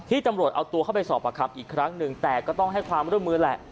ตำรวจเอาตัวเข้าไปสอบประคำอีกครั้งหนึ่งแต่ก็ต้องให้ความร่วมมือแหละ